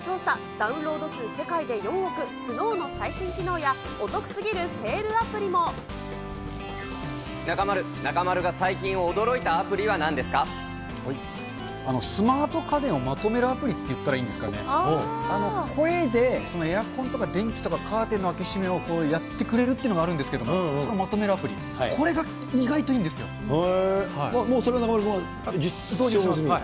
ダウンロード数世界で４億、ＳＮＯＷの最新機能や、お得すぎ中丸、中丸が最近驚いたアプスマート家電をまとめるアプリっていったらいいんですかね、声でエアコンとか電気とかカーテンの開け閉めをやってくれるっていうのがあるんですけど、まとめるアプリ、これが意外といいんでもうそれ、中丸君は実証済み？